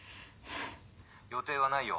☎予定はないよ